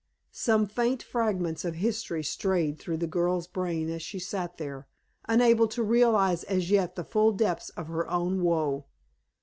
Some faint fragments of history strayed through the girl's brain as she sat there, unable to realize as yet the full depths of her own woe.